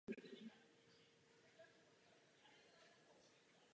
Tato jednání s Chorvatskem pokračují celkově dobře.